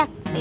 itu mpul ya